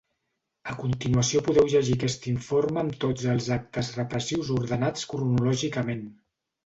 A continuació podeu llegir aquest informe amb tots els actes repressius ordenats cronològicament.